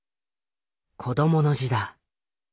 子どもの字だ。